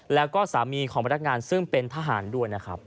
แล้วก็สามีของพนักงานซึ่งเป็นทหารด้วยนะครับ